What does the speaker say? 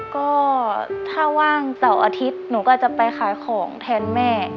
ก็ถ้าว่างเสาร์อาทิตย์หนูก็จะไปขายของแทนแม่